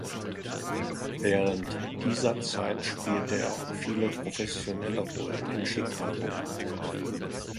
Während dieser Zeit spielte er auch viele professionelle Rollen in Chicago.